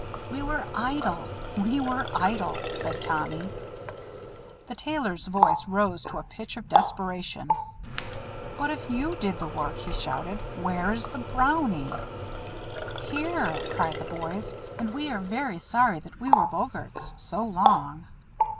"We were idle, we were idle," said Tommy. The Tailor's voice rose to a pitch of desperation "But if you did the work," he shouted, "where is the Brownie?" "Here!" cried the boys, "and we are very sorry that we were Boggarts so long."